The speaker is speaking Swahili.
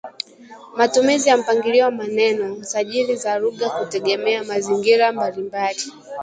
matumizi ya mpangilio wa maneno, sajili za lugha kutegemea mazingira mbalimbali